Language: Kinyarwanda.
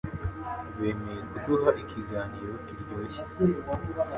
Bemeye kuduha ikiganiro kiryoshye